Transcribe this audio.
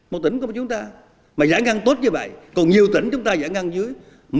một tỉnh của chúng ta mà giải ngăn tốt như vậy còn nhiều tỉnh chúng ta giải ngăn dưới